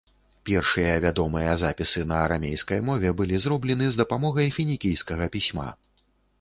Першыя вядомыя запісы на арамейскай мове былі зроблены з дапамогай фінікійскага пісьма.